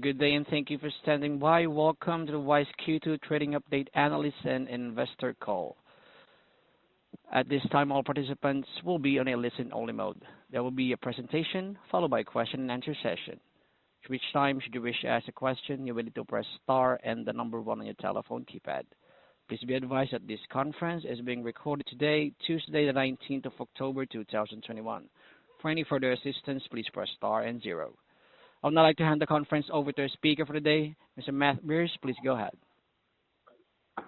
Good day, thank you for standing by. Welcome to the Wise Q2 Trading Update Analyst and Investor Call. At this time, all participants will be on a listen-only mode. There will be a presentation followed by a question-and-answer session. At which time, should you wish to ask a question, you'll need to press star and the number one on your telephone keypad. Please be advised that this conference is being recorded today, Tuesday the 19th of October, 2021. For any further assistance, please press star and zero. I would now like to hand the conference over to the speaker for the day, Mr. Matt Briers. Please go ahead.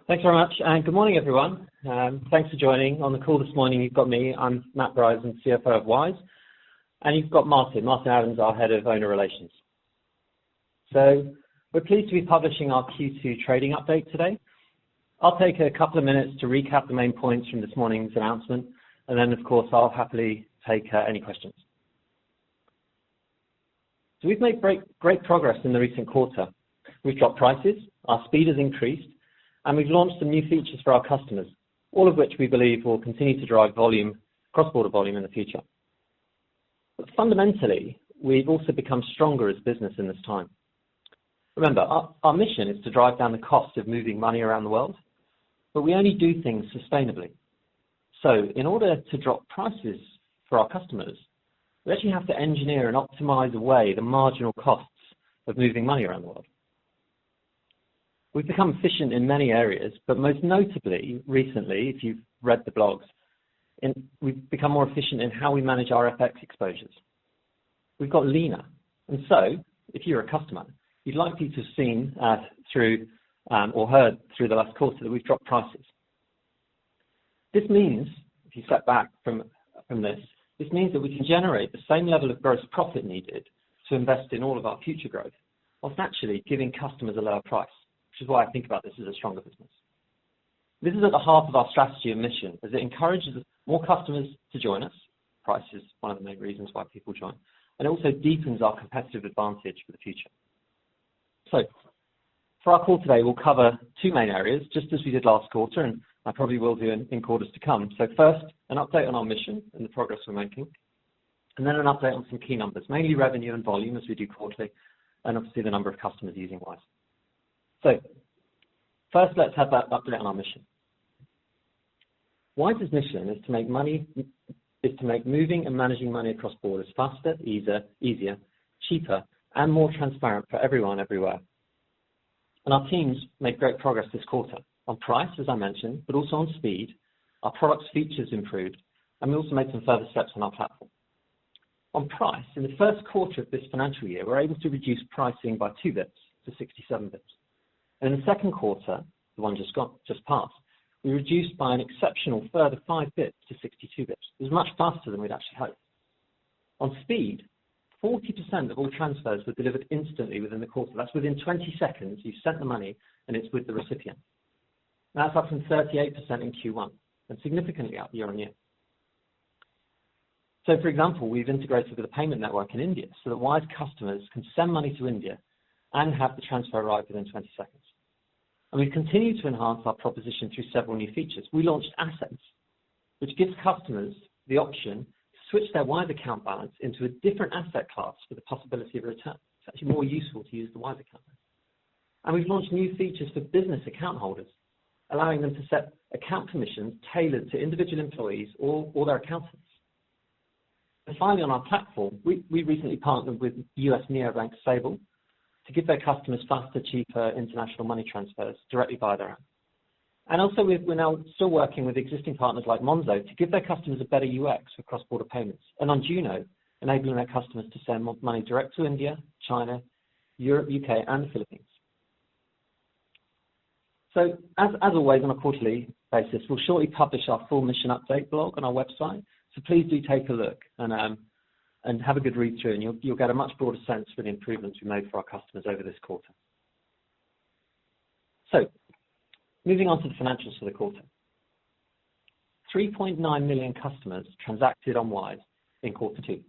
Thanks very much, good morning, everyone. Thanks for joining. On the call this morning, you've got me, I'm Matt Briers, I'm CFO of Wise. You've got Martin. Martin Adams, our Head of Investor Relations. We're pleased to be publishing our Q2 trading update today. I'll take a couple of minutes to recap the main points from this morning's announcement, then, of course, I'll happily take any questions. We've made great progress in the recent quarter. We've dropped prices, our speed has increased, we've launched some new features for our customers, all of which we believe will continue to drive cross-border volume in the future. Fundamentally, we've also become stronger as a business in this time. Remember, our mission is to drive down the cost of moving money around the world, we only do things sustainably. In order to drop prices for our customers, we actually have to engineer and optimize away the marginal costs of moving money around the world. We've become efficient in many areas, but most notably recently, if you've read the blogs, we've become more efficient in how we manage our FX exposures. We've got leaner. If you're a customer, you'd likely to have seen or heard through the last quarter that we've dropped prices. If you step back from this means that we can generate the same level of gross profit needed to invest in all of our future growth whilst naturally giving customers a lower price, which is why I think about this as a stronger business. This is at the heart of our strategy and mission as it encourages more customers to join us, price is one of the main reasons why people join, and it also deepens our competitive advantage for the future. For our call today, we'll cover two main areas, just as we did last quarter, and I probably will do in quarters to come. First, an update on our mission and the progress we're making, and then an update on some key numbers, mainly revenue and volume as we do quarterly, and obviously the number of customers using Wise. First let's have that update on our mission. Wise's mission is to make moving and managing money across borders faster, easier, cheaper, and more transparent for everyone, everywhere. Our teams made great progress this quarter on price, as I mentioned, but also on speed. Our product's features improved. We also made some further steps on our platform. On price, in the first quarter of this financial year, we were able to reduce pricing by 2 basis points to 67 basis points. In the second quarter, the one just passed, we reduced by an exceptional further 5 basis points to 62 basis points. It was much faster than we'd actually hoped. On speed, 40% of all transfers were delivered instantly within the quarter. That's within 20 seconds, you've sent the money and it's with the recipient. That's up from 38% in Q1 and significantly up year-on-year. For example, we've integrated with a payment network in India so that Wise customers can send money to India and have the transfer arrive within 20 seconds. We've continued to enhance our proposition through several new features. We launched Assets, which gives customers the option to switch their Wise Account balance into a different asset class with the possibility of a return. It's actually more useful to use the Wise Account. We've launched new features for business account holders, allowing them to set account permissions tailored to individual employees or their accountants. Finally, on our platform, we recently partnered with U.S. neo bank Sable to give their customers faster, cheaper international money transfers directly via their app. Also, we're now still working with existing partners like Monzo to give their customers a better UX for cross-border payments. On Juno, enabling their customers to send money direct to India, China, Europe, U.K., and the Philippines. As always, on a quarterly basis, we'll shortly publish our full mission update blog on our website. Please do take a look and have a good read through, and you'll get a much broader sense for the improvements we made for our customers over this quarter. Moving on to the financials for the quarter. 3.9 million customers transacted on Wise in quarter two.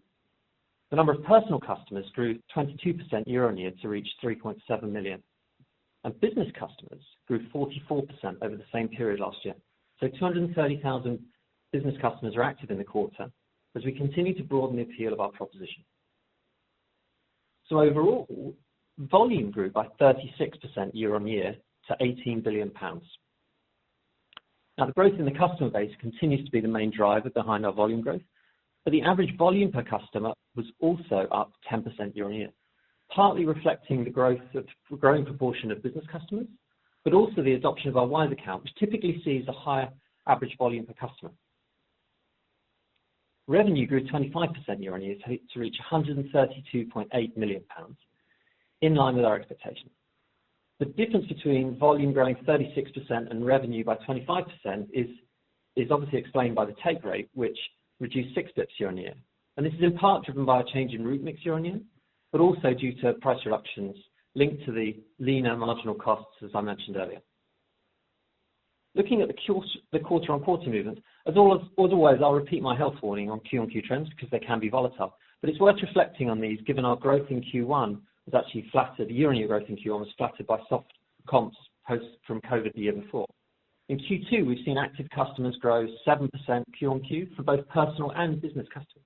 The number of personal customers grew 22% year-over-year to reach 3.7 million. Business customers grew 44% over the same period last year. 230,000 business customers are active in the quarter as we continue to broaden the appeal of our proposition. Overall, volume grew by 36% year-over-year to 18 billion pounds. Now the growth in the customer base continues to be the main driver behind our volume growth. The average volume per customer was also up 10% year-on-year, partly reflecting the growing proportion of business customers, also the adoption of our Wise Account, which typically sees a higher average volume per customer. Revenue grew 25% year-on-year to reach 132.8 million pounds, in line with our expectations. The difference between volume growing 36% and revenue by 25% is obviously explained by the take rate, which reduced 6 basis points year-on-year. This is in part driven by a change in route mix year-on-year, also due to price reductions linked to the leaner marginal costs, as I mentioned earlier. Looking at the quarter-on-quarter movement, as always, I'll repeat my health warning on Q-on-Q trends because they can be volatile. It's worth reflecting on these, given our growth in Q1 was actually flattered. Year-on-year growth in Q1 was flattered by soft comps post from COVID the year before. In Q2, we've seen active customers grow 7% Q-on-Q for both personal and business customers.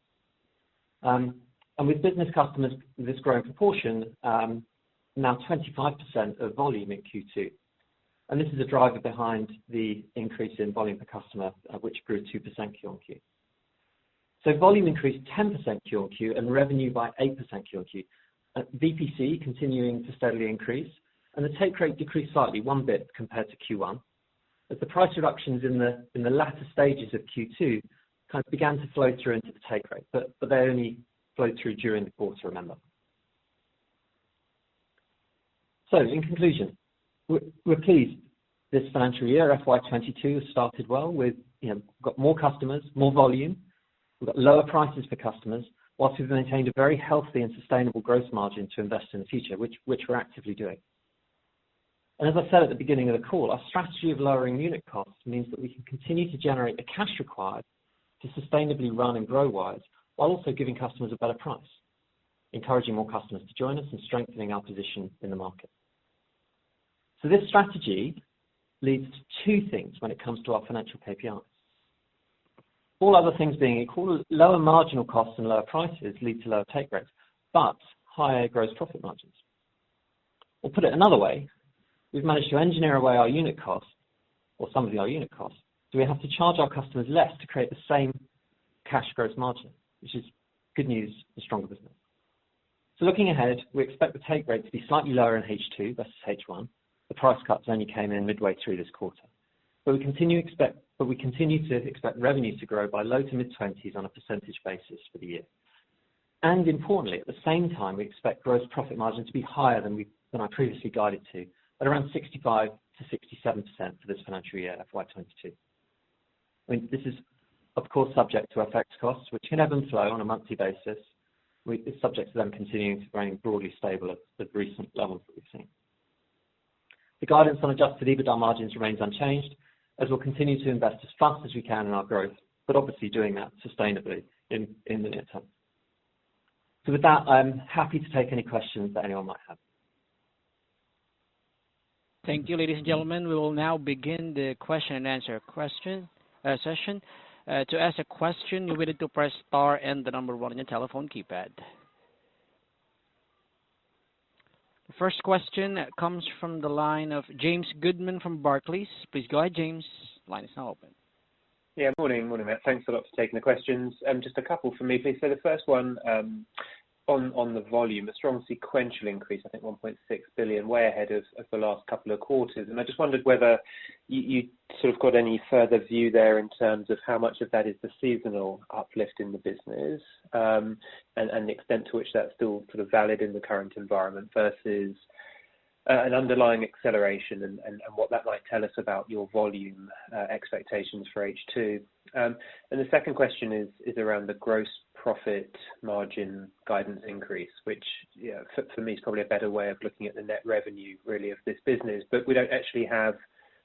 With business customers, this growing proportion now 25% of volume in Q2. This is a driver behind the increase in volume per customer, which grew 2% Q-on-Q. Volume increased 10% Q-on-Q and revenue by 8% Q-on-Q. VPC continuing to steadily increase, and the take rate decreased slightly, one basis point compared to Q1. The price reductions in the latter stages of Q2 kind of began to flow through into the take rate, but they only flowed through during the quarter, remember. In conclusion, we're pleased this financial year, FY 2022, has started well. We've got more customers, more volume. We've got lower prices for customers, whilst we've maintained a very healthy and sustainable growth margin to invest in the future, which we're actively doing. As I said at the beginning of the call, our strategy of lowering unit costs means that we can continue to generate the cash required to sustainably run and grow Wise, while also giving customers a better price, encouraging more customers to join us and strengthening our position in the market. This strategy leads to two things when it comes to our financial KPIs. All other things being equal, lower marginal costs and lower prices lead to lower take rates, but higher gross profit margins. Put it another way, we've managed to engineer away our unit costs or some of our unit costs, so we have to charge our customers less to create the same cash gross margin, which is good news for stronger business. Looking ahead, we expect the take rate to be slightly lower in H2 versus H1. The price cuts only came in midway through this quarter. We continue to expect revenues to grow by low to mid-20s% on a percentage basis for the year. Importantly, at the same time, we expect gross profit margin to be higher than I previously guided to, at around 65%-67% for this financial year, FY 2022. This is of course, subject to FX costs, which can ebb and flow on a monthly basis. It's subject to them continuing to remain broadly stable at the recent levels that we've seen. The guidance on adjusted EBITDA margins remains unchanged, as we'll continue to invest as fast as we can in our growth, but obviously doing that sustainably in the near term. With that, I'm happy to take any questions that anyone might have. Thank you, ladies and gentlemen. We will now begin the question-and-answer session. To ask the question please press star and then one on your telephone keypad. First question comes from the line of James Goodman from Barclays. Please go ahead, James. Your line is now open. Yeah, morning. Morning, Matt. Thanks a lot for taking the questions. Just a couple from me, please. The first one, on the volume, a strong sequential increase, I think 1.6 billion, way ahead of the last couple of quarters. I just wondered whether you sort of got any further view there in terms of how much of that is the seasonal uplift in the business, and the extent to which that's still sort of valid in the current environment versus an underlying acceleration and what that might tell us about your volume expectations for H2. The second question is around the gross profit margin guidance increase, which for me is probably a better way of looking at the net revenue, really, of this business. We don't actually have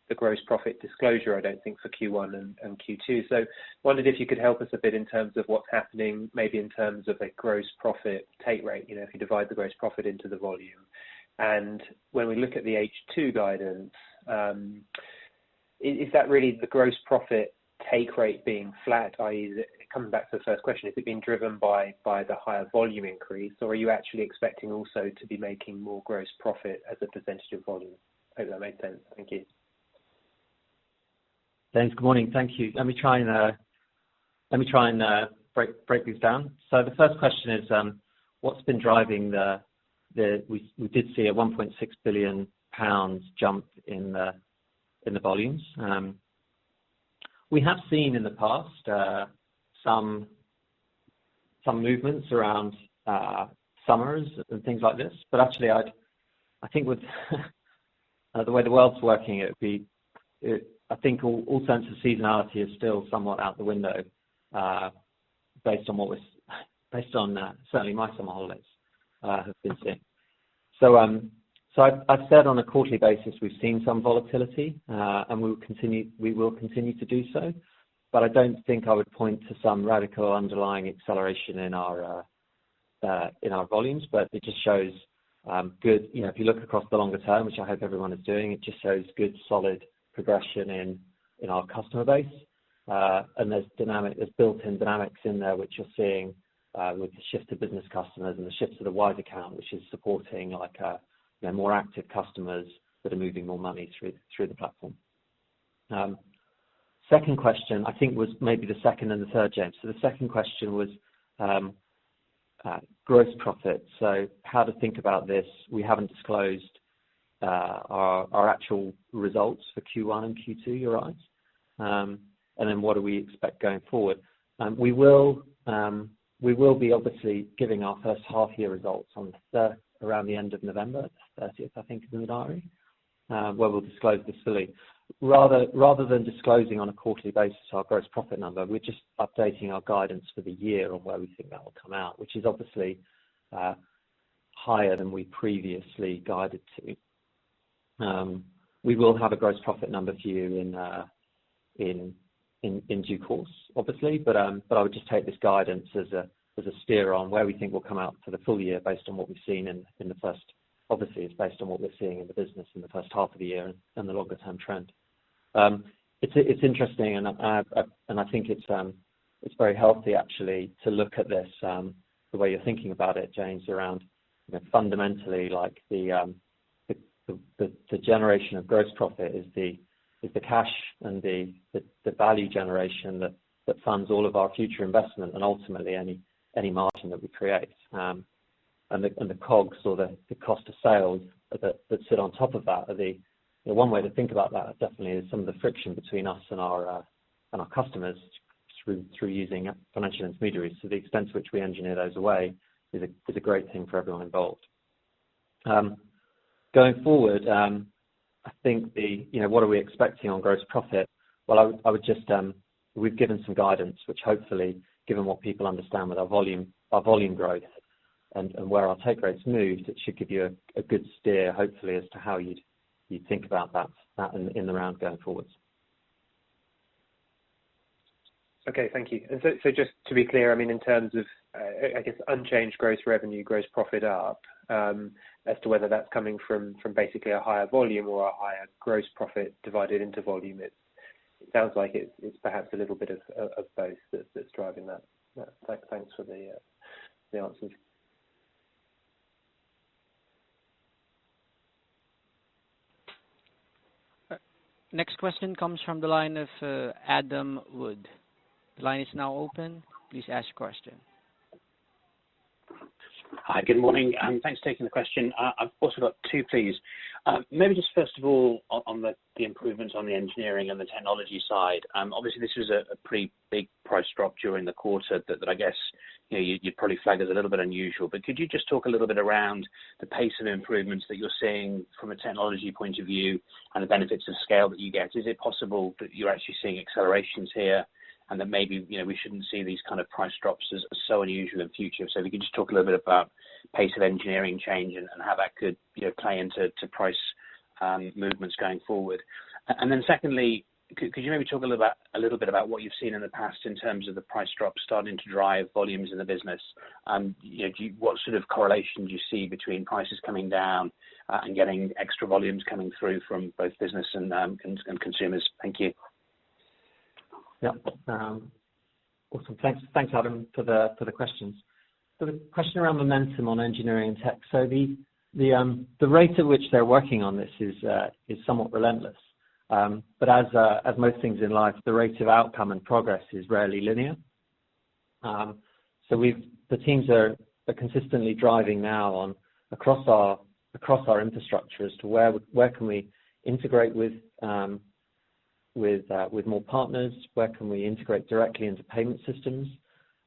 the gross profit disclosure, I don't think, for Q1 and Q2. Wondered if you could help us a bit in terms of what's happening, maybe in terms of a gross profit take rate, if you divide the gross profit into the volume? When we look at the H2 guidance, is that really the gross profit take rate being flat? I.e., coming back to the first question, is it being driven by the higher volume increase, or are you actually expecting also to be making more gross profit as a percentage of volume? I hope that made sense. Thank you. James, good morning. Thank you. Let me try and break these down. The first question is what's been driving. We did see a 1.6 billion pounds jump in the volumes. We have seen in the past some movements around summers and things like this. Actually, I think with the way the world's working, I think all sense of seasonality is still somewhat out the window based on certainly my summer holidays have been seen. I've said on a quarterly basis we've seen some volatility, and we will continue to do so. I don't think I would point to some radical underlying acceleration in our volumes, but it just shows. If you look across the longer term, which I hope everyone is doing, it just shows good, solid progression in our customer base. There's built-in dynamics in there which we're seeing with the shift to business customers and the shift to the Wise Account, which is supporting more active customers that are moving more money through the platform. Second question, I think was maybe the second and the third, James. The second question was gross profit. How to think about this. We haven't disclosed our actual results for Q1 and Q2, you're right. What do we expect going forward? We will be obviously giving our first half-year results on around the end of November 30th, I think is in the diary, where we'll disclose this fully. Rather than disclosing on a quarterly basis our gross profit number, we're just updating our guidance for the year on where we think that will come out, which is obviously higher than we previously guided to. We will have a gross profit number for you in due course, obviously. I would just take this guidance as a steer on where we think we'll come out for the full year based on what we're seeing in the business side in the first half of the year and the longer-term trend. It's interesting, and I think it's very healthy, actually, to look at this the way you're thinking about it, James, around fundamentally, the generation of gross profit is the cash and the value generation that funds all of our future investment and ultimately any margin that we create. The COGS or the cost of sales that sit on top of that are one way to think about that definitely is some of the friction between us and our customers through using financial intermediaries. The extent to which we engineer those away is a great thing for everyone involved. Going forward, I think what are we expecting on gross profit? We've given some guidance, which hopefully, given what people understand with our volume growth and where our take rates move, that should give you a good steer, hopefully, as to how you'd think about that in the round going forward. Okay. Thank you. Just to be clear, in terms of, I guess, unchanged gross revenue, gross profit are, as to whether that's coming from basically a higher volume or a higher gross profit divided into volume, it sounds like it's perhaps a little bit of both that's driving that. Thanks for the answers. Next question comes from the line of Adam Wood. Line now open please ask your question. Hi. Good morning, thanks for taking the question. I've also got two, please. Maybe just first of all, on the improvements on the engineering and the technology side. Obviously, this was a pretty big price drop during the quarter that I guess you probably flagged as a little bit unusual. Could you just talk a little bit around the pace of improvements that you're seeing from a technology point of view and the benefits of scale that you get? Is it possible that you're actually seeing accelerations here, and that maybe we shouldn't see these kind of price drops as so unusual in future? If you could just talk a little bit about pace of engineering change and how that could play into price movements going forward. Secondly, could you maybe talk a little bit about what you've seen in the past in terms of the price drop starting to drive volumes in the business? What sort of correlation do you see between prices coming down and getting extra volumes coming through from both business and consumers? Thank you. Awesome. Thanks, Adam, for the questions. The question around momentum on engineering and tech. The rate at which they're working on this is somewhat relentless. As most things in life, the rate of outcome and progress is rarely linear. The teams are consistently driving now on across our infrastructure as to where can we integrate with more partners, where can we integrate directly into payment systems,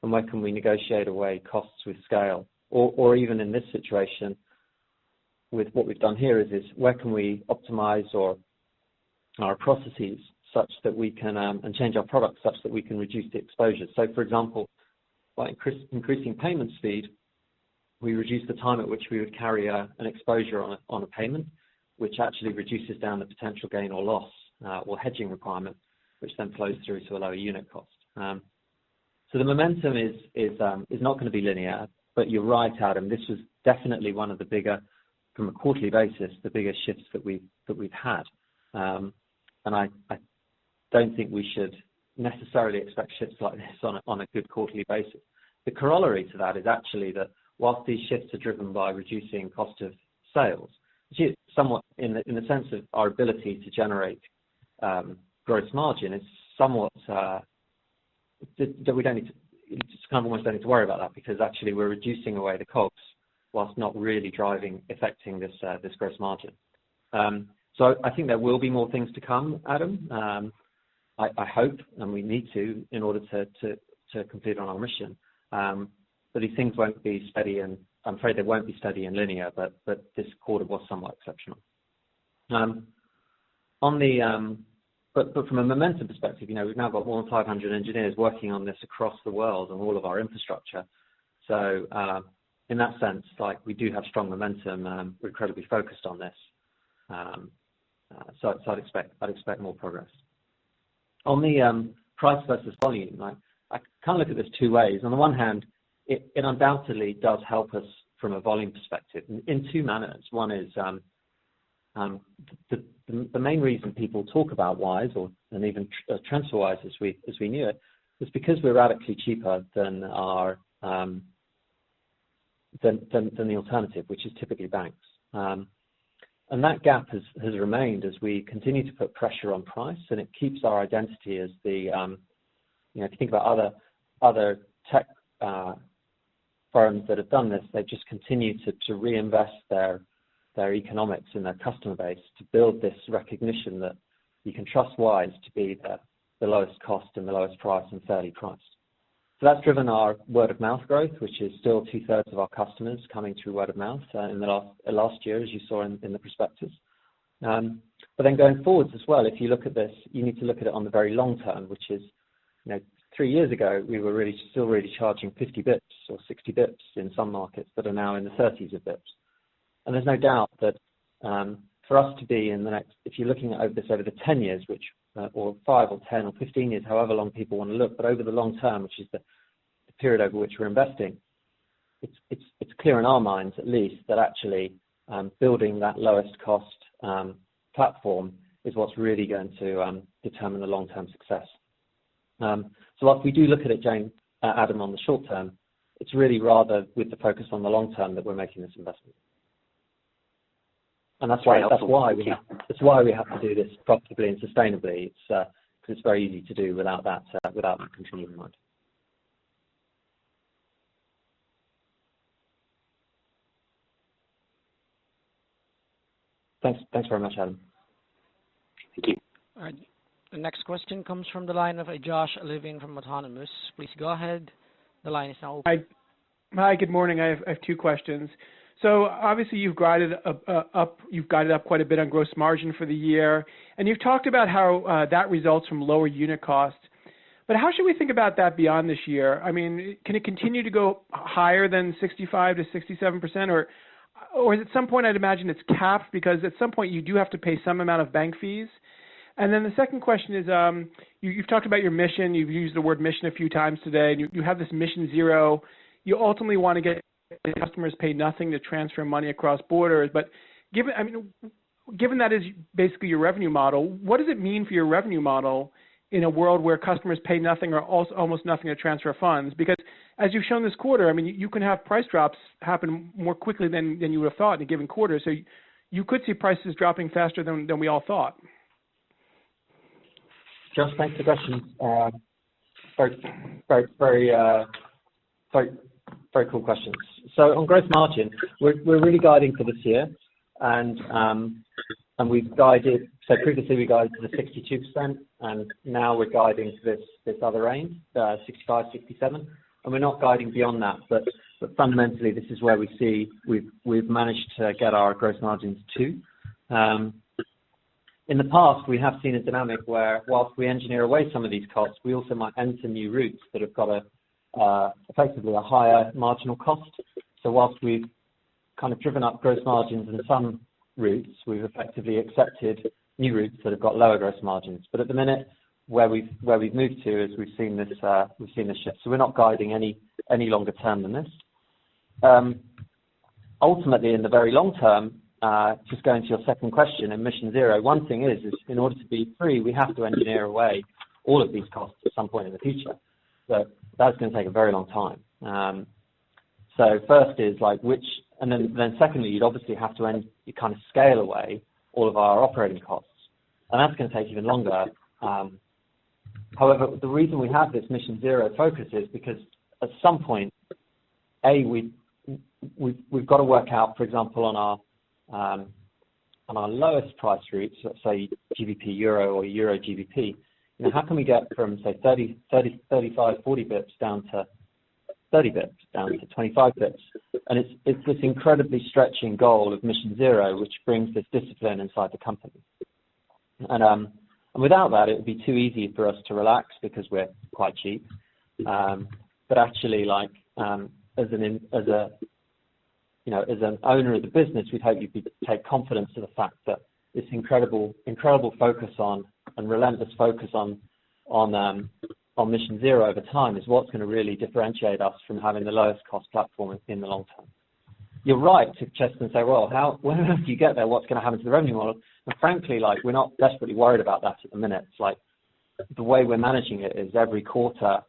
and where can we negotiate away costs with scale. Even in this situation with what we've done here is, where can we optimize our processes and change our products such that we can reduce the exposure. For example, by increasing payment speed, we reduce the time at which we would carry an exposure on a payment, which actually reduces down the potential gain or loss, or hedging requirement, which then flows through to a lower unit cost. The momentum is not going to be linear, but you're right, Adam, this was definitely one of the bigger, from a quarterly basis, the biggest shifts that we've had. I don't think we should necessarily expect shifts like this on a good quarterly basis. The corollary to that is actually that whilst these shifts are driven by reducing cost of sales, which is somewhat in the sense of our ability to generate gross margin, it's somewhat that we almost don't need to worry about that because actually we're reducing away the COGS whilst not really driving effecting this gross margin. I think there will be more things to come, Adam. I hope, and we need to in order to complete on our Mission. These things won't be steady, and I'm afraid they won't be steady and linear, but this quarter was somewhat exceptional. From a momentum perspective, we've now got more than 500 engineers working on this across the world on all of our infrastructure. In that sense, we do have strong momentum. We're incredibly focused on this. I'd expect more progress. On the price versus volume, I kind of look at this two ways. On the one hand, it undoubtedly does help us from a volume perspective in two manners. One is, the main reason people talk about Wise or, and even TransferWise as we knew it, was because we're radically cheaper than the alternative, which is typically banks. That gap has remained as we continue to put pressure on price, and it keeps our identity. If you think about other tech firms that have done this, they've just continued to reinvest their economics and their customer base to build this recognition that you can trust Wise to be the lowest cost and the lowest price and fairly priced. That's driven our word-of-mouth growth, which is still 2/3 of our customers coming through word of mouth in the last year, as you saw in the prospectus. Going forwards as well, if you look at this, you need to look at it on the very long term, which is 3 years ago, we were still really charging 50 basis points or 60 basis points in some markets that are now in the 30s of basis points. And there's no doubt that for us to be in the If you're looking over this over the 10 years, or 5 or 10 or 15 years, however long people want to look, but over the long term, which is the period over which we're investing, it's clear in our minds at least that actually building that lowest cost platform is what's really going to determine the long-term success. Whilst we do look at it, Adam, on the short term, it's really rather with the focus on the long term that we're making this investment. That's why we have to do this profitably and sustainably, because it's very easy to do without that continuing in mind. Thanks very much, Adam. Thank you. All right. The next question comes from the line of Josh Levin from Autonomous. Please go ahead. The line is now open. Hi. Good morning. I have two questions. Obviously you've guided up quite a bit on gross margin for the year, and you've talked about how that results from lower unit costs. How should we think about that beyond this year? Can it continue to go higher than 65%-67%, or is it some point I'd imagine it's capped because at some point you do have to pay some amount of bank fees? The second question is you've talked about your mission. You've used the word mission a few times today, and you have this Mission Zero. You ultimately want to get customers pay nothing to transfer money across borders. Given that is basically your revenue model, what does it mean for your revenue model in a world where customers pay nothing or almost nothing to transfer funds? As you've shown this quarter, you can have price drops happen more quickly than you would have thought in a given quarter. You could see prices dropping faster than we all thought. Josh, thanks for the question. Very cool questions. On gross margin, we're really guiding for this year, previously we guided for the 62%, now we're guiding to this other range, the 65%-67%. We're not guiding beyond that. Fundamentally, this is where we see we've managed to get our gross margins to. In the past, we have seen a dynamic where whilst we engineer away some of these costs, we also might enter new routes that have got effectively a higher marginal cost. Whilst we've driven up gross margins in some routes, we've effectively accepted new routes that have got lower gross margins. At the minute, where we've moved to is we've seen the shift. We're not guiding any longer term than this. Ultimately, in the very long term, just going to your second question on Mission Zero, one thing is in order to be free, we have to engineer away all of these costs at some point in the future. That's going to take a very long time. Secondly, you'd obviously have to scale away all of our operating costs, and that's going to take even longer. The reason we have this Mission Zero focus is because at some point, A, we've got to work out, for example, on our lowest price routes, let's say GBP-EUR or EUR-GBP, how can we get from, say, 30 basis points, 35 basis points, 40 basis points down to 30 basis points, down to 25 basis points? It's this incredibly stretching goal of Mission Zero, which brings this discipline inside the company. Without that, it would be too easy for us to relax because we're quite cheap. Actually, as an owner of the business, we'd hope you could take confidence to the fact that this incredible focus on and relentless focus on Mission Zero over time is what's going to really differentiate us from having the lowest cost platform in the long term. You're right to question and say, "Well, when do you get there? What's going to happen to the revenue model?" Frankly, we're not desperately worried about that at the minute. The way we're managing it is every quarter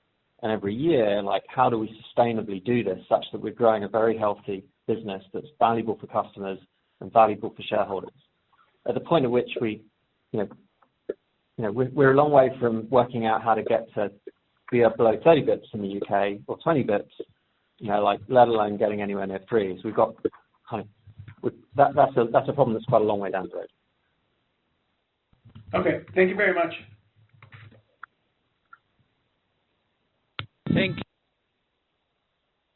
and every year, how do we sustainably do this such that we're growing a very healthy business that's valuable for customers and valuable for shareholders? We're a long way from working out how to get to be below 30 basis points in the U.K. or 20 basis points, let alone getting anywhere near free. That's a problem that's quite a long way down the road. Okay. Thank you very much. Thank you.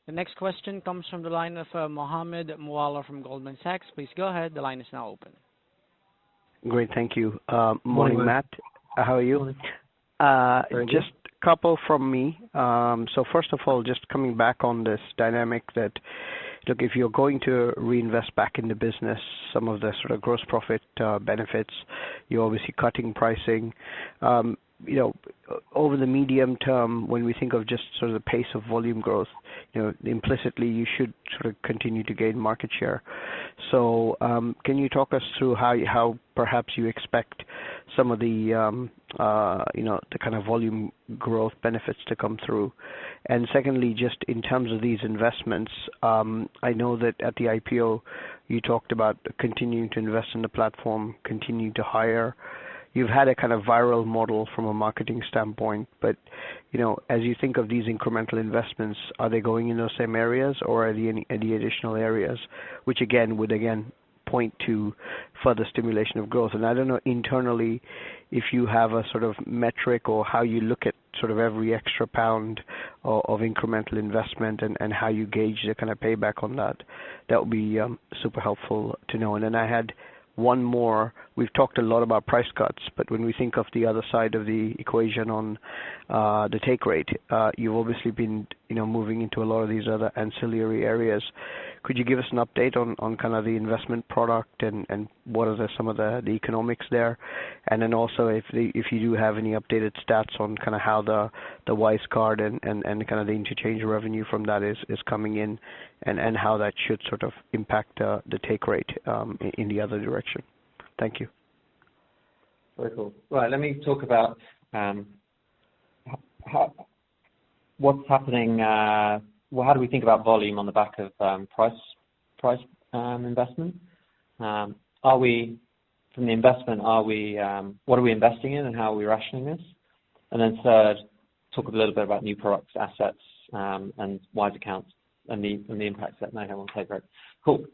The next question comes from the line of Mohammed Moawalla from Goldman Sachs. Please go ahead. The line is now open. Great. Thank you. Morning, Matt. How are you? Morning. Just a couple from me. First of all, just coming back on this dynamic that, look, if you're going to reinvest back in the business some of the gross profit benefits, you're obviously cutting pricing. Over the medium term, when we think of just the pace of volume growth, implicitly, you should continue to gain market share. Can you talk us through how perhaps you expect some of the volume growth benefits to come through? Secondly, just in terms of these investments, I know that at the IPO you talked about continuing to invest in the platform, continuing to hire. You've had a viral model from a marketing standpoint, but as you think of these incremental investments, are they going in those same areas or are they in any additional areas, which again, would again point to further stimulation of growth? I don't know internally if you have a metric or how you look at every extra GBP of incremental investment and how you gauge the payback on that. That would be super helpful to know. I had one more. We've talked a lot about price cuts, but when we think of the other side of the equation on the take rate, you've obviously been moving into a lot of these other ancillary areas. Could you give us an update on the investment product and what are some of the economics there? Also if you do have any updated stats on how the Wise card and the interchange revenue from that is coming in, and how that should sort of impact the take rate in the other direction. Thank you. Very cool. Let me talk about what's happening. How do we think about volume on the back of price investment? From the investment, what are we investing in and how are we rationing this? Then third, talk a little bit about new products, Assets, and Wise Accounts, and the impacts that may have on take rate. Cool.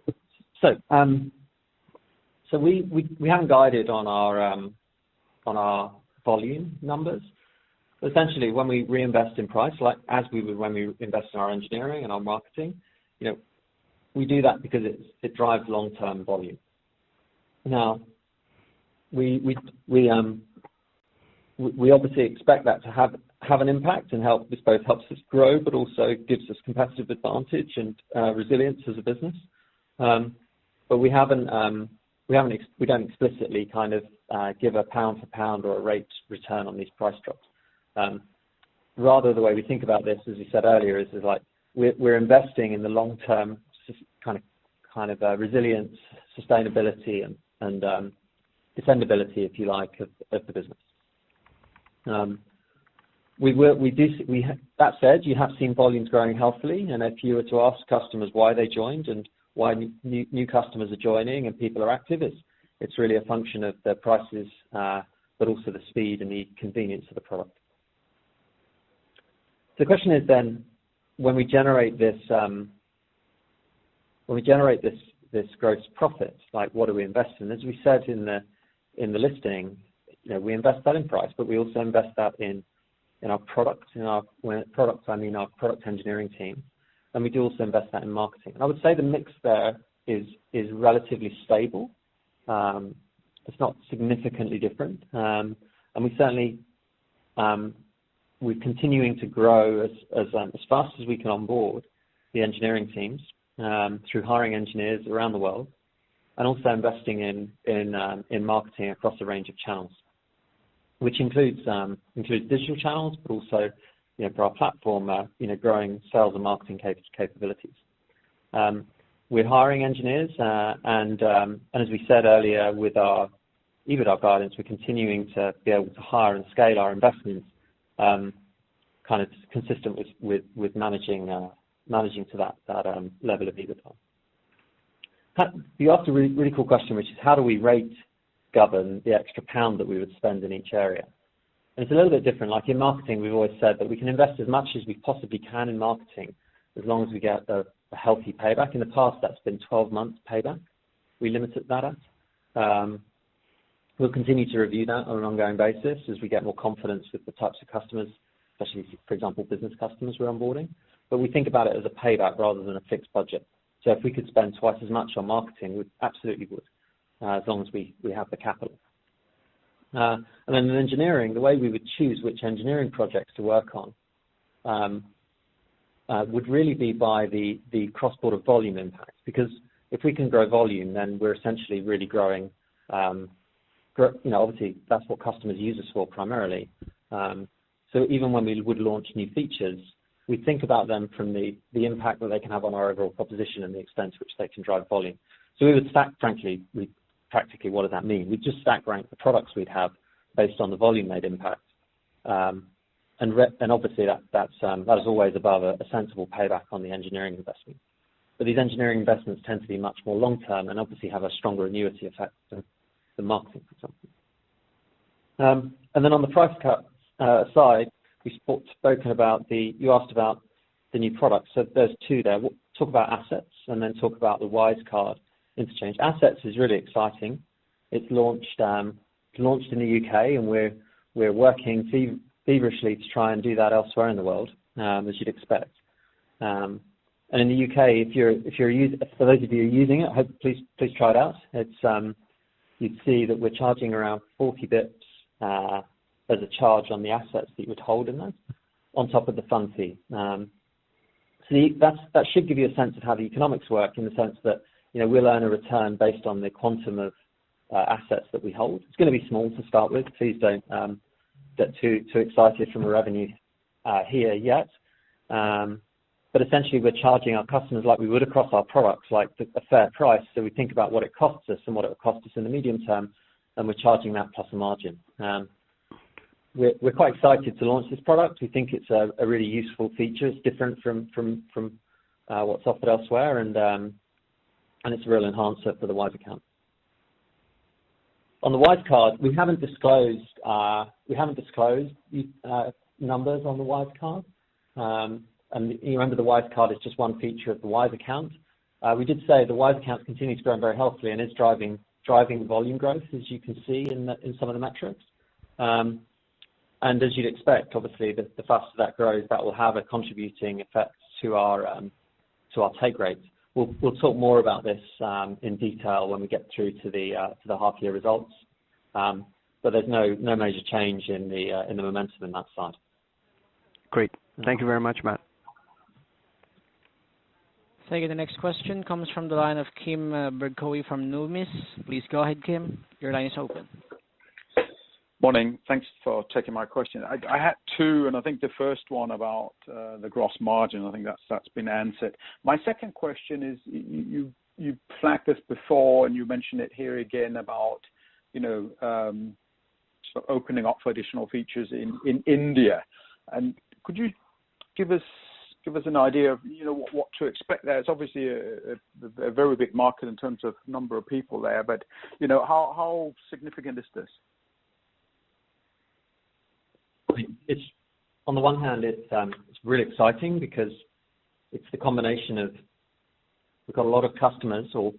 We haven't guided on our volume numbers. Essentially, when we reinvest in price, like as we would when we invest in our engineering and our marketing, we do that because it drives long-term volume. We obviously expect that to have an impact and this both helps us grow, but also gives us competitive advantage and resilience as a business. We don't explicitly give a pound for pound or a rate return on these price drops. Rather, the way we think about this, as you said earlier, is we're investing in the long-term kind of resilience, sustainability, and defendability, if you like, of the business. That said, you have seen volumes growing healthily, and if you were to ask customers why they joined and why new customers are joining and people are active, it's really a function of the prices, but also the speed and the convenience of the product. The question is then, when we generate this gross profit, what do we invest in? As we said in the listing, we invest that in price, but we also invest that in our product engineering team, and we do also invest that in marketing. I would say the mix there is relatively stable. It's not significantly different. We certainly, we're continuing to grow as fast as we can onboard the engineering teams, through hiring engineers around the world and also investing in marketing across a range of channels, which includes digital channels, but also for our Wise Platform, growing sales and marketing capabilities. We're hiring engineers, and as we said earlier with our EBITDA guidance, we're continuing to be able to hire and scale our investments, kind of consistent with managing to that level of EBITDA. You asked a really cool question, which is how do we rate govern the extra GBP that we would spend in each area? It's a little bit different. Like in marketing, we've always said that we can invest as much as we possibly can in marketing, as long as we get a healthy payback. In the past, that's been 12 months payback. We limited that. We'll continue to review that on an ongoing basis as we get more confidence with the types of customers, especially, for example, business customers we're onboarding. We think about it as a payback rather than a fixed budget. If we could spend twice as much on marketing, we absolutely would, as long as we have the capital. In engineering, the way we would choose which engineering projects to work on would really be by the cross-border volume impact. If we can grow volume, then we're essentially really growing. Obviously, that's what customers use us for primarily. Even when we would launch new features, we think about them from the impact that they can have on our overall proposition and the extent to which they can drive volume. We would stack, frankly, practically, what does that mean? We'd just stack rank the products we'd have based on the volume-made impact. Obviously that is always above a sensible payback on the engineering investment. These engineering investments tend to be much more long-term and obviously have a stronger annuity effect than marketing, for example. On the price cut side, you asked about the new products. There's two there. We'll talk about Assets and then talk about the Wise card interchange. Assets is really exciting. It's launched in the U.K., and we're working feverishly to try and do that elsewhere in the world, as you'd expect. In the U.K., for those of you who are using it, please try it out. You'd see that we're charging around 40 basis points as a charge on the Assets that you would hold in there on top of the fund fee. That should give you a sense of how the economics work in the sense that we'll earn a return based on the quantum of assets that we hold. It's going to be small to start with. Please don't get too excited from a revenue here yet. Essentially, we're charging our customers like we would across our products, like a fair price. We think about what it costs us and what it would cost us in the medium term, and we're charging that plus a margin. We're quite excited to launch this product. We think it's a really useful feature. It's different from what's offered elsewhere, and it's a real enhancer for the Wise Account. On the Wise card, we haven't disclosed numbers on the Wise card. You remember the Wise card is just one feature of the Wise Account. We did say the Wise Account continues to grow very healthily and is driving volume growth, as you can see in some of the metrics. As you'd expect, obviously the faster that grows, that will have a contributing effect to our take rates. We'll talk more about this in detail when we get through to the half-year results. There's no major change in the momentum in that side. Great. Thank you very much, Matt. Thank you. The next question comes from the line of Kim Bergoe from Numis. Please go ahead, Kim. Your line is open. Morning. Thanks for taking my question. I had two, and I think the 1st one about the gross margin, I think that's been answered. My second question is, you flagged this before, and you mentioned it here again about opening up for additional features in India. Could you give us an idea of what to expect there? It's obviously a very big market in terms of number of people there. How significant is this? On one hand it's really exciting because it's the combination of, we've got a lot of customers, a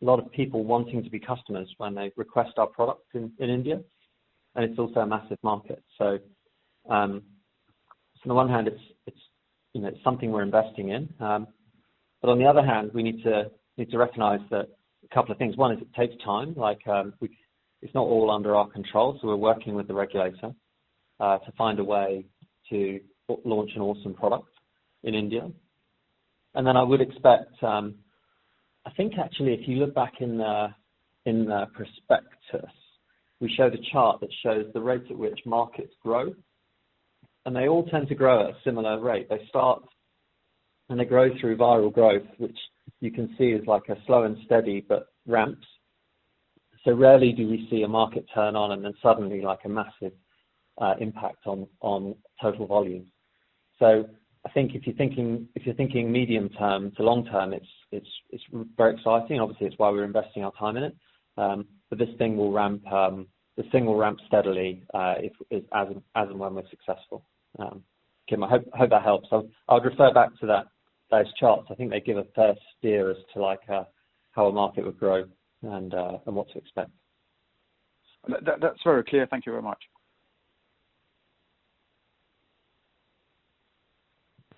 lot of people wanting to be customers when they request our product in India, and it's also a massive market. It's something we're investing in. On the other hand, we need to recognize that a couple of things. One is it takes time. It's not all under our control. We're working with the regulator to find a way to launch an awesome product in India. I would expect, I think actually, if you look back in the prospectus, we showed a chart that shows the rates at which markets grow, and they all tend to grow at a similar rate. They start. They grow through viral growth, which you can see is like a slow and steady but ramps. Rarely do we see a market turn on and then suddenly, a massive impact on total volumes. I think if you're thinking medium-term to long-term, it's very exciting. Obviously, it's why we're investing our time in it. This thing will ramp steadily as and when we're successful. Kim, I hope that helps. I would refer back to those charts. I think they give a fair steer as to how a market would grow and what to expect. That's very clear. Thank you very much.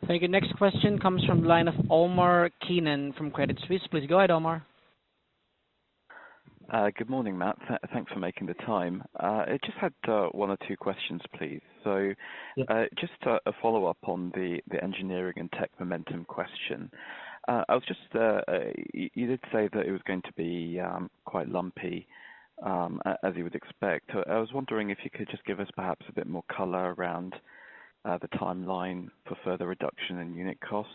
Thank you. Next question comes from the line of Omar Keenan from Credit Suisse. Please go ahead, Omar. Good morning, Matt. Thanks for making the time. I just had one or two questions, please. Yeah. Just a follow-up on the engineering and tech momentum question. You did say that it was going to be quite lumpy, as you would expect. I was wondering if you could just give us perhaps a bit more color around the timeline for further reduction in unit costs.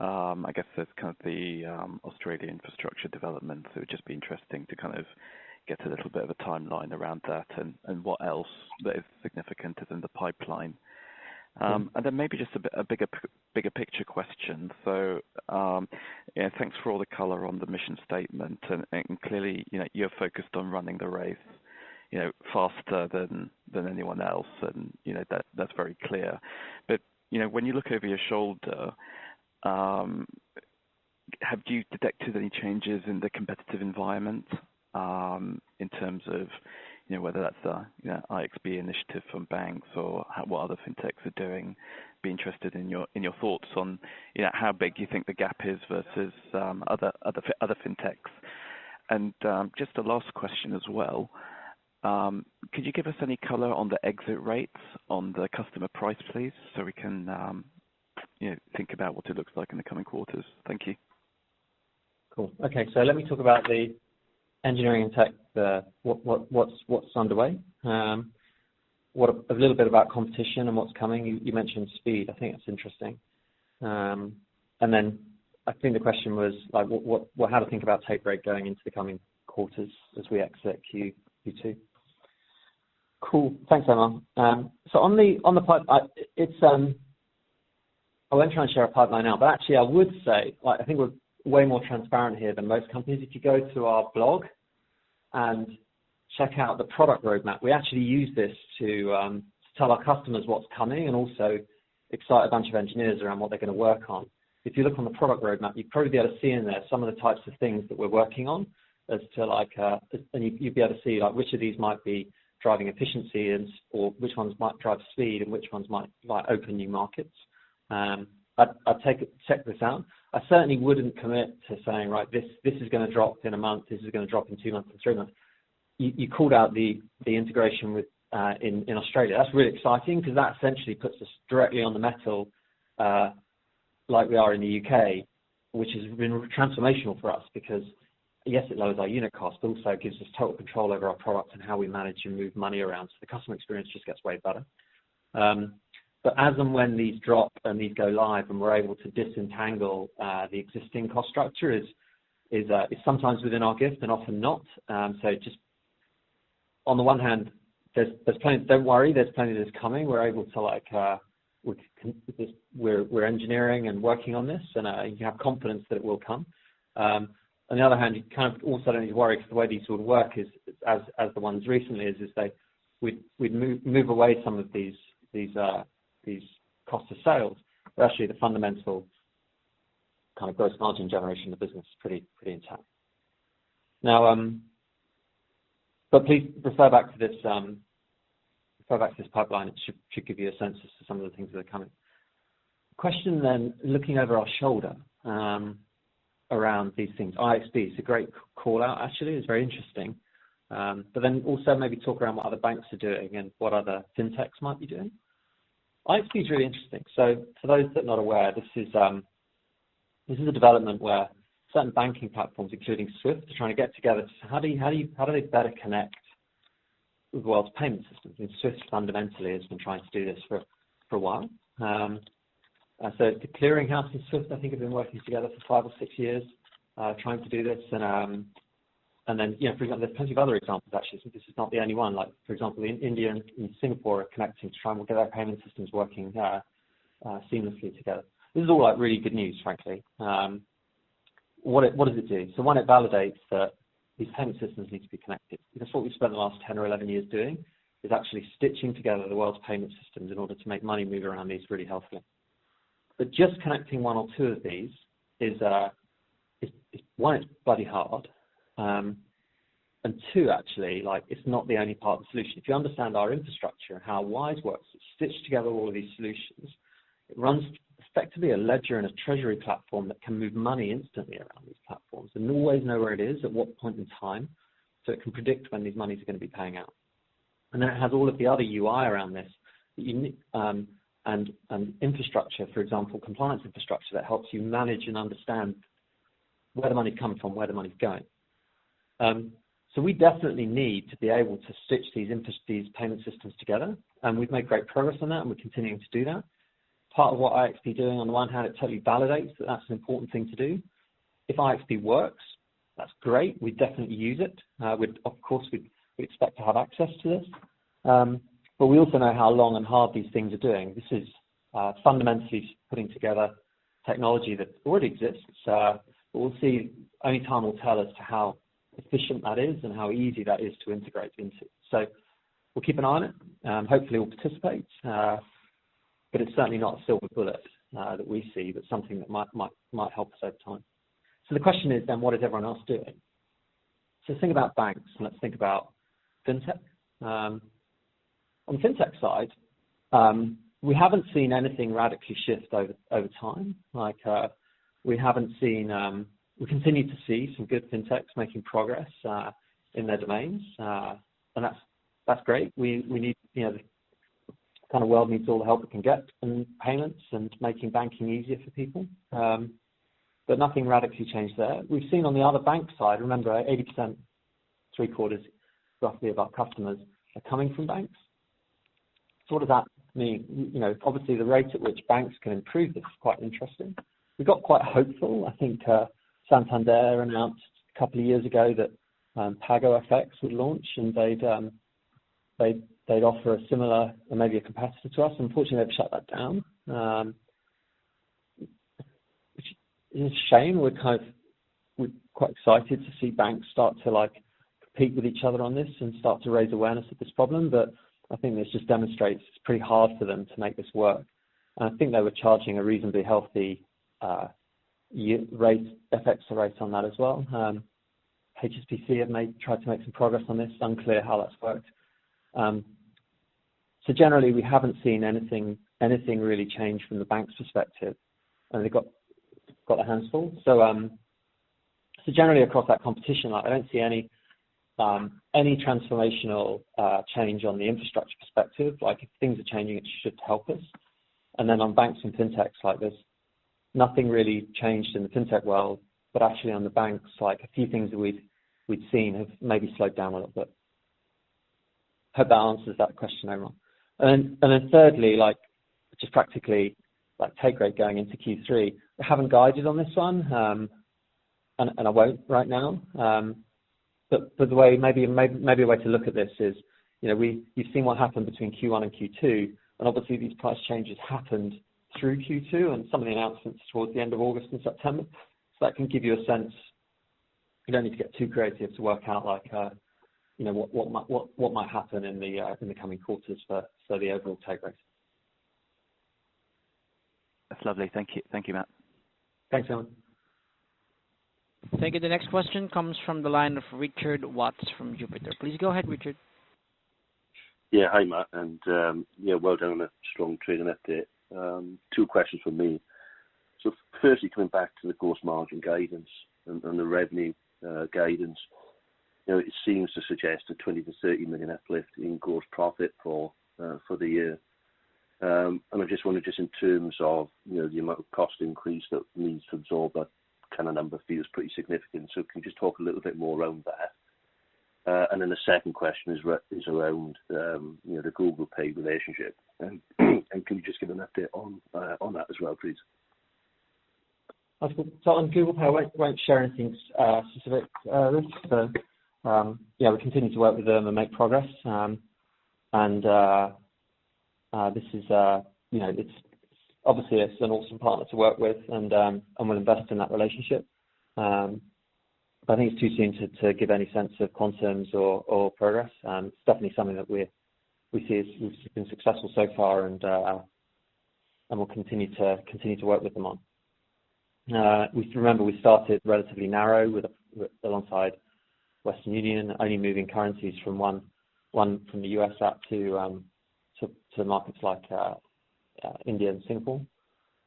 I guess that's the Australia infrastructure development. It would just be interesting to get a little bit of a timeline around that and what else that is significant is in the pipeline. Then maybe just a bigger picture question. Thanks for all the color on the mission statement. Clearly, you're focused on running the race faster than anyone else, and that's very clear. When you look over your shoulder, have you detected any changes in the competitive environment? In terms of whether that's the IXB initiative from banks or what other fintechs are doing. Be interested in your thoughts on how big you think the gap is versus other fintechs. Just a last question as well. Could you give us any color on the exit rates on the customer price, please? We can think about what it looks like in the coming quarters. Thank you. Cool. Okay. Let me talk about the engineering and tech, what's underway. A little bit about competition and what's coming. You mentioned speed. I think that's interesting. I think the question was how to think about take rate going into the coming quarters as we exit Q2. Cool. Thanks, Omar. I won't try and share a pipeline now, but actually I would say, I think we're way more transparent here than most companies. If you go to our blog and check out the product roadmap, we actually use this to tell our customers what's coming and also excite a bunch of engineers around what they're going to work on. If you look on the product roadmap, you'd probably be able to see in there some of the types of things that we're working on as to like, and you'd be able to see which of these might be driving efficiency in, or which ones might drive speed and which ones might open new markets. I'll check this out. I certainly wouldn't commit to saying, right, this is going to drop in a month, this is going to drop in 2 months or 3 months. You called out the integration in Australia. That's really exciting because that essentially puts us directly on the metal like we are in the U.K., which has been transformational for us because, yes, it lowers our unit cost, but also gives us total control over our product and how we manage and move money around. The customer experience just gets way better. As and when these drop and these go live and we're able to disentangle the existing cost structure is sometimes within our gift and often not. Just on the one hand, don't worry, there's plenty that's coming. We're engineering and working on this, you can have confidence that it will come. On the other hand, you kind of also don't need to worry because the way these sort of work is, as the ones recently, we'd move away some of these cost of sales, but actually the fundamental kind of gross margin generation of the business is pretty intact. Please refer back to this pipeline. It should give you a sense as to some of the things that are coming. Question, looking over our shoulder around these things. IXB is a great call-out actually, it's very interesting. Also maybe talk around what other banks are doing and what other fintechs might be doing. IXB is really interesting. For those that are not aware, this is a development where certain banking platforms, including SWIFT, are trying to get together to say how do they better connect the world’s payment systems? SWIFT fundamentally has been trying to do this for a while. The Clearing House and SWIFT, I think, have been working together for 5 or 6 years trying to do this. For example, there’s plenty of other examples, actually. This is not the only one. For example, India and Singapore are connecting to try and get their payment systems working seamlessly together. This is all really good news, frankly. What does it do? One, it validates that these payment systems need to be connected. That's what we've spent the last 10 or 11 years doing, is actually stitching together the world's payment systems in order to make money move around these really helpfully. Just connecting one or two of these is, one, it's bloody hard, and two, actually, it's not the only part of the solution. If you understand our infrastructure and how Wise works, it's stitched together all of these solutions. It runs effectively a ledger and a treasury platform that can move money instantly around these platforms and always know where it is at what point in time, so it can predict when these monies are going to be paying out. Then it has all of the other UI around this, and infrastructure, for example, compliance infrastructure that helps you manage and understand where the money's coming from, where the money's going. We definitely need to be able to stitch these payment systems together, and we've made great progress on that, and we're continuing to do that. Part of what IXB doing, on the one hand, it totally validates that that's an important thing to do. If IXB works, that's great. We'd definitely use it. Of course, we'd expect to have access to this. We also know how long and hard these things are doing. This is fundamentally putting together technology that already exists. We'll see, only time will tell as to how efficient that is and how easy that is to integrate into. We'll keep an eye on it. Hopefully we'll participate, but it's certainly not a silver bullet that we see, but something that might help us over time. The question is then, what is everyone else doing? Think about banks, and let's think about fintech. On the fintech side, we haven't seen anything radically shift over time. We continue to see some good fintechs making progress in their domains, and that's great. The world needs all the help it can get in payments and making banking easier for people. Nothing radically changed there. We've seen on the other bank side, remember 80%, three-quarters roughly of our customers are coming from banks. What does that mean? Obviously, the rate at which banks can improve this is quite interesting. We got quite hopeful. I think Santander announced 2 years ago that PagoFX would launch, and they'd offer a similar or maybe a competitor to Wise. Unfortunately, they've shut that down, which is a shame. We're quite excited to see banks start to compete with each other on this and start to raise awareness of this problem, but I think this just demonstrates it's pretty hard for them to make this work. I think they were charging a reasonably healthy FX take rates on that as well. HSBC have tried to make some progress on this. It's unclear how that's worked. Generally, we haven't seen anything really change from the bank's perspective, and they've got their hands full. Generally, across that competition, I don't see any transformational change on the infrastructure perspective. If things are changing, it should help us. Then on banks and fintechs, there's nothing really changed in the fintech world. Actually, on the banks, a few things that we've seen have maybe slowed down a little bit. Hope that answers that question, Omar. Thirdly, just practically take rate going into Q3. I haven't guided on this one, and I won't right now. Maybe a way to look at this is, you've seen what happened between Q1 and Q2, and obviously these price changes happened through Q2 and some of the announcements towards the end of August and September. That can give you a sense. You don't need to get too creative to work out what might happen in the coming quarters for the overall take rate. That's lovely. Thank you, Matt. Thanks, Omar. Thank you. The next question comes from the line of Richard Watts from Jupiter. Please go ahead, Richard. Yeah. Hi, Matt. Yeah, well done on a strong trading update. Two questions from me. Firstly, coming back to the gross margin guidance and the revenue guidance. It seems to suggest a 20 million-30 million uplift in gross profit for the year. I just wonder in terms of the amount of cost increase that needs to absorb that kind of number feels pretty significant. Can you just talk a little bit more around there? The second question is around the Google Pay relationship. Can you just give an update on that as well, please? On Google Pay, I won't share anything specific. Yeah, we continue to work with them and make progress. Obviously, it's an awesome partner to work with, and we'll invest in that relationship. I think it's too soon to give any sense of concerns or progress. It's definitely something that we see has been successful so far, and we'll continue to work with them on. We have to remember we started relatively narrow alongside Western Union, only moving currencies from the U.S. out to markets like India and Singapore.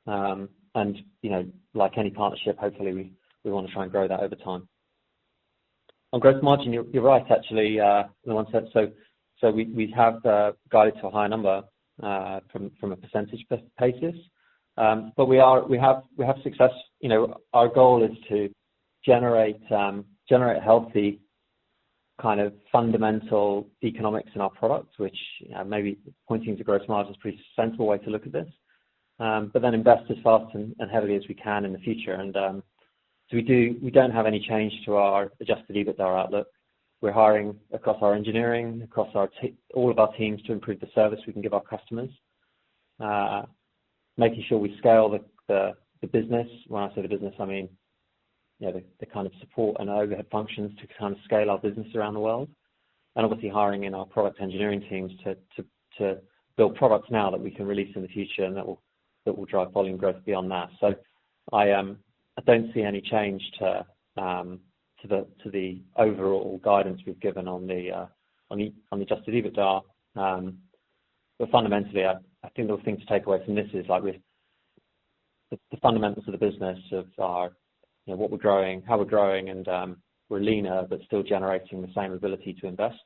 Like any partnership, hopefully, we want to try and grow that over time. On gross margin, you're right, actually, in the onset. We have guided to a higher number from a percentage basis. We have success. Our goal is to generate healthy kind of fundamental economics in our products, which maybe pointing to gross margin is a pretty sensible way to look at this. Invest as fast and heavily as we can in the future. We don't have any change to our adjusted EBITDA outlook. We're hiring across our engineering, across all of our teams to improve the service we can give our customers. Making sure we scale the business. When I say the business, I mean the kind of support and overhead functions to scale our business around the world. Obviously hiring in our product engineering teams to build products now that we can release in the future, and that will drive volume growth beyond that. I don't see any change to the overall guidance we've given on the adjusted EBITDA. Fundamentally, I think the thing to take away from this is the fundamentals of the business of what we're growing, how we're growing, and we're leaner, but still generating the same ability to invest.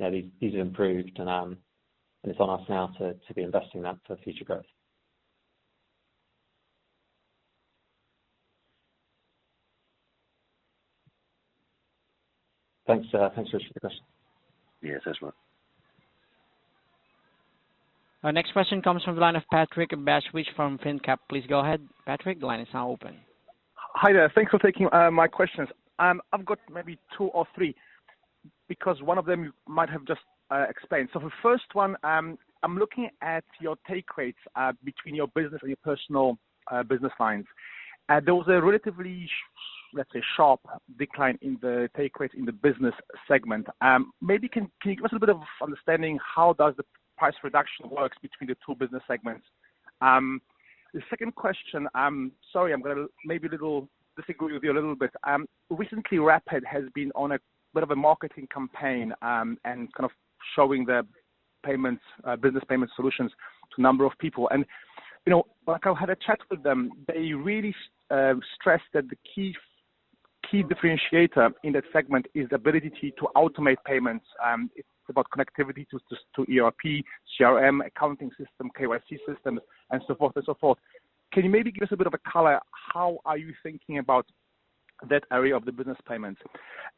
These have improved, and it's on us now to be investing that for future growth. Thanks Richard. Thanks for the question. Yeah. Thanks very much. Our next question comes from the line of Patrick Basiewicz from finnCap. Please go ahead. Patrick, the line is now open. Hi there. Thanks for taking my questions. I've got maybe two or three because one of them you might have just explained. The first one, I'm looking at your take rates between your business and your personal business lines. There was a relatively, let's say, sharp decline in the take rates in the business segment. Maybe can you give us a bit of understanding how does the price reduction works between the two business segments? The second question, sorry, I'm going to maybe disagree with you a little bit. Recently, Rapyd has been on a bit of a marketing campaign, and kind of showing their business payment solutions to a number of people. I had a chat with them. They really stressed that the key differentiator in that segment is the ability to automate payments. It's about connectivity to ERP, CRM, accounting system, KYC systems, and so forth. Can you maybe give us a bit of a color? How are you thinking about that area of the business payments?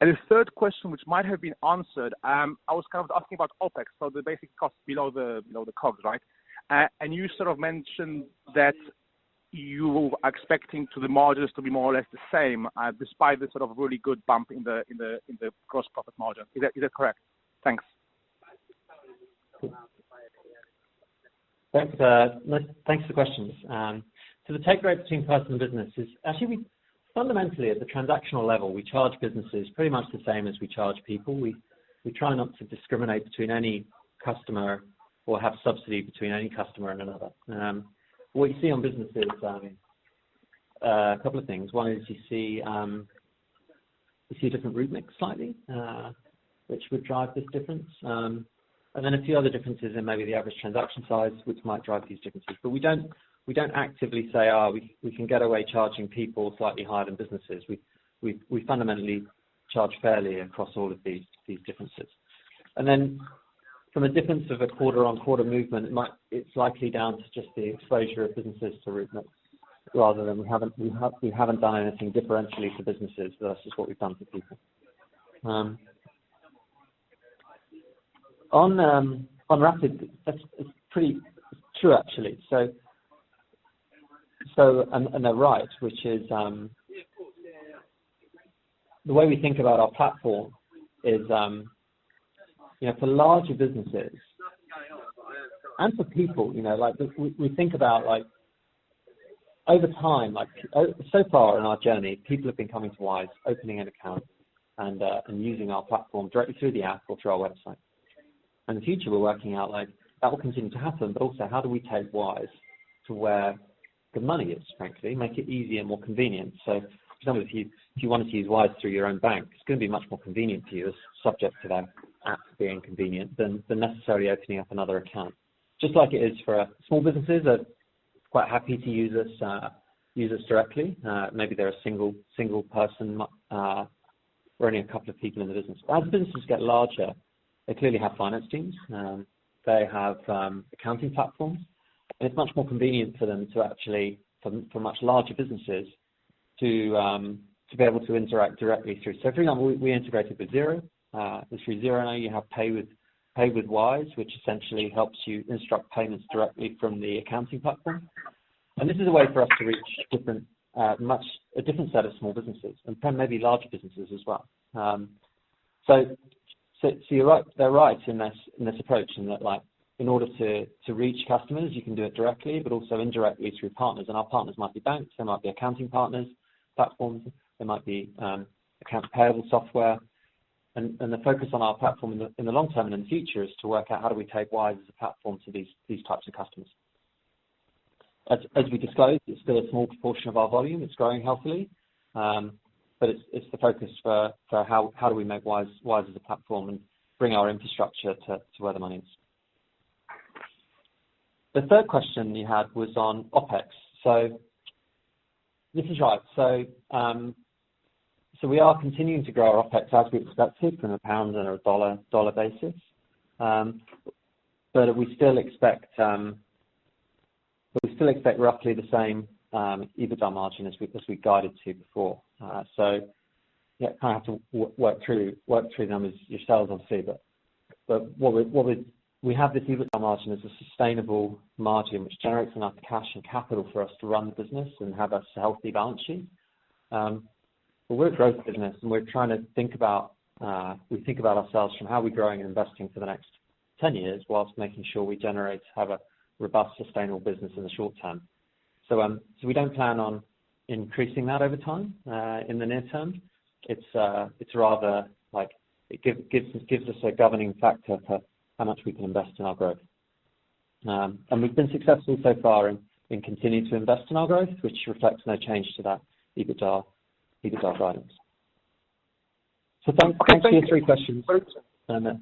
The third question, which might have been answered, I was kind of asking about OpEx, so the basic cost below the COGS. You sort of mentioned that you are expecting the margins to be more or less the same despite the sort of really good bump in the gross profit margin. Is that correct? Thanks. Thanks for the questions. The take rate between personal and businesses. Actually, fundamentally at the transactional level, we charge businesses pretty much the same as we charge people. We try not to discriminate between any customer or have subsidy between any customer and another. What we see on businesses, a couple of things. One is you see a different route mix slightly, which would drive this difference. A few other differences in maybe the average transaction size, which might drive these differences. We don't actively say, "Oh, we can get away charging people slightly higher than businesses." We fundamentally charge fairly across all of these differences. From a difference of a quarter-on-quarter movement, it's likely down to just the exposure of businesses to rout mix rather than we haven't done anything differentially for businesses versus what we've done for people. On Rapyd, that's pretty true, actually. They're right, which is the way we think about our platform is for larger businesses and for people. We think about over time. Far in our journey, people have been coming to Wise, opening an account, and using our platform directly through the app or through our website. In the future, we're working out that will continue to happen, but also how do we take Wise to where the money is, frankly, make it easier and more convenient. For example, if you wanted to use Wise through your own bank, it's going to be much more convenient to you as subject to their app being convenient than necessarily opening up another account. Just like it is for small businesses are quite happy to use us directly. Maybe they're a one person or only a two people in the business. As businesses get larger, they clearly have finance teams. They have accounting platforms, and it's much more convenient for them to actually, for much larger businesses, to be able to interact directly through. For example, we integrated with Xero, and through Xero now you have Pay with Wise, which essentially helps you instruct payments directly from the accounting platform. This is a way for us to reach a different set of small businesses and maybe larger businesses as well. They're right in this approach in that in order to reach customers, you can do it directly, but also indirectly through partners. Our partners might be banks, they might be accounting partners, platforms. They might be accounts payable software. The focus on our platform in the long term and in the future is to work out how do we take Wise as a platform to these types of customers. As we disclosed, it's still a small proportion of our volume. It's growing healthily, but it's the focus for how we make Wise as a platform and bring our infrastructure to where the money is. The third question you had was on OpEx. This is right. We are continuing to grow our OpEx as we expected from a pound and a dollar basis. We still expect roughly the same EBITDA margin as we guided to before. You kind of have to work through the numbers yourselves and see. We have this EBITDA margin as a sustainable margin which generates enough cash and capital for us to run the business and have a healthy balance sheet. We're a growth business, and we think about ourselves from how we're growing and investing for the next 10 years while making sure we generate to have a robust, sustainable business in the short term. We don't plan on increasing that over time in the near term. It's rather like it gives us a governing factor for how much we can invest in our growth. We've been successful so far and continue to invest in our growth, which reflects no change to that EBITDA guidance. Thanks for your three questions. Okay, thank you.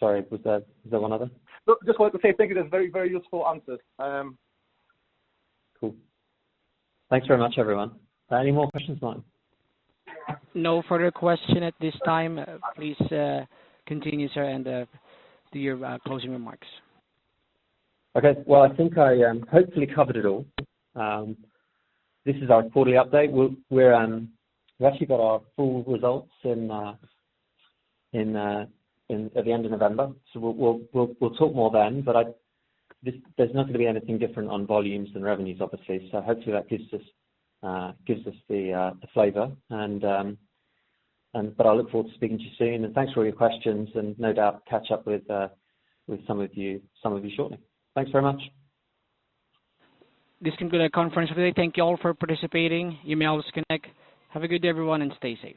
Sorry, was there one other? No, just wanted to say thank you. That is very, very useful answers. Cool. Thanks very much, everyone. Any more questions, Martin? No further question at this time. Please continue, sir, and do your closing remarks. Well, I think I hopefully covered it all. This is our quarterly update. We've actually got our full results at the end of November. We'll talk more then. There's not going to be anything different on volumes than revenues, obviously. Hopefully that gives us the flavor. I look forward to speaking to you soon, and thanks for all your questions, and no doubt catch up with some of you shortly. Thanks very much. This concludes our conference for today. Thank you all for participating. You may all disconnect. Have a good day, everyone, and stay safe.